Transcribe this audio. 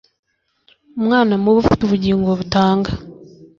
umwana mubi ufite ubugingo butanga